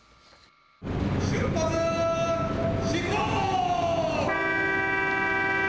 出発進行！